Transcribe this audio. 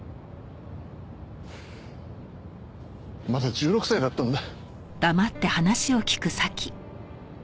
まだ１６歳だったんだ。